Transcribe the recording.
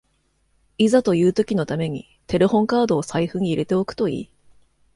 いざという時のためにテレホンカードを財布に入れておくといい